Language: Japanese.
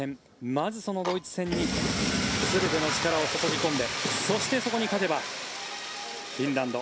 まずそのドイツ戦に全ての力を注ぎ込んでそしてそこに勝てばフィンランド